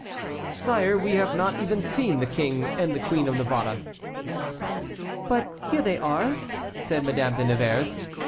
"Sire, we have not even seen the King and the Queen of Navarre." "But here they are," said Madame de Nevers.